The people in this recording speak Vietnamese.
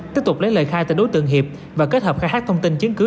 tiếp tục lấy lời khai tại đối tượng hiệp và kết hợp khai hát thông tin chiến cứu